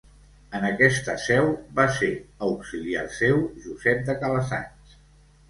En aquesta seu va ser auxiliar seu Josep de Calassanç.